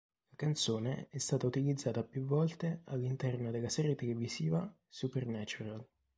La canzone è stata utilizzata più volte all'interno della serie televisiva "Supernatural".